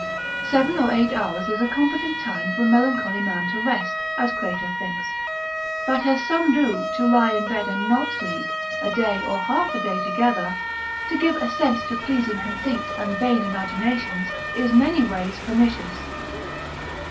Seven or eight hours is a competent time for a melancholy man to rest, as Crato thinks; but as some do, to lie in bed and not sleep, a day, or half a day together, to give assent to pleasing conceits and vain imaginations, is many ways pernicious.